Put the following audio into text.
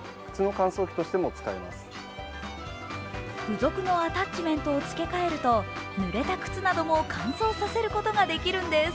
付属のアタッチメントを付け替えると、ぬれた靴なども乾燥させることができるんです。